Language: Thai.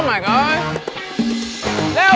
โอ้มายก๊อด